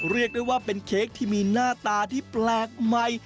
เรียกได้ว่าเป็นเค้กที่มีหน้าตาที่แปลกใหม่